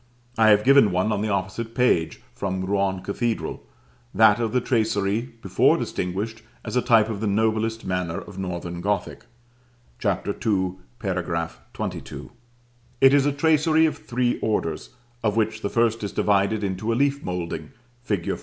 I have given one, on the opposite page, from Rouen cathedral; that of the tracery before distinguished as a type of the noblest manner of Northern Gothic (Chap. II. § XXII.). It is a tracery of three orders, of which the first is divided into a leaf moulding, fig.